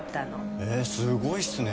ええすごいっすね。